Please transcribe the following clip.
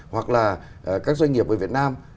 hoặc là các doanh nghiệp ở việt nam